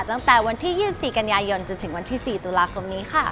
ตั้งแต่วันที่๒๔กันยายนจนถึงวันที่๔ตุลาคมนี้ค่ะ